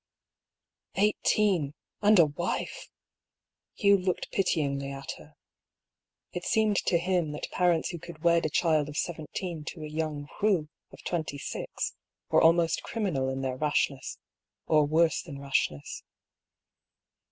Eighteen — and a wife! Hugh looked pityingly at her. It seemed to him that parents who could wed a child of seventeen to a young roue of twenty six were almost criminal in their rashness — or worse than rash ness.